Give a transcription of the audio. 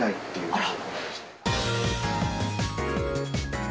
あら。